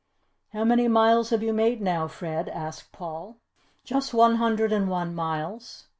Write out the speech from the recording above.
"How many miles have you made now, Fred?" asked Paul. "Just one hundred and one miles."